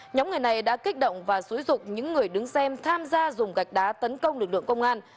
nhóm người này đã kích động và xúi dục những người đứng xem tham gia dùng gạch đá tấn công lực lượng công an